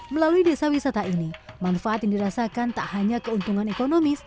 melalui desa wisata ini manfaat yang dirasakan tak hanya keuntungan ekonomis